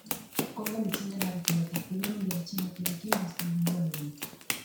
Koldo Mitxelenarekin eta Pedro Miguel Etxenikerekin bazkaldu nuen behin.